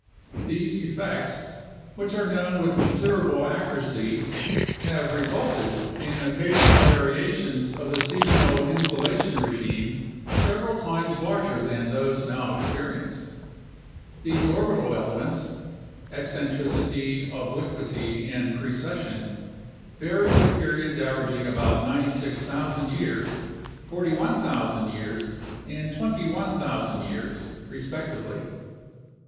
These effects, which are known with considerable accuracy, have resulted in occasional variations of the seasonal insolation regime several times larger than those now experienced. These orbital elements (eccentricity, obliquity, and precession) vary with periods averaging about 96,000 years, 41,000 years, and 21,000 years, respectively.